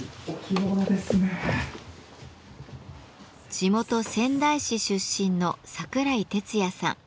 地元仙台市出身の櫻井鉄矢さん。